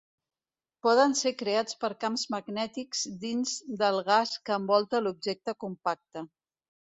Poden ser creats per camps magnètics dins del gas que envolta l'objecte compacte.